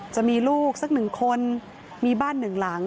จะมีลูกสักหนึ่งคนมีบ้านหนึ่งหลัง